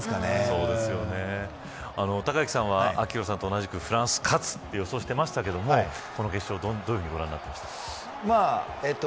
隆行さんは昭浩さんと同じくフランス勝つと予想してましたけどこの決勝、どういうふうにご覧になっていましたか。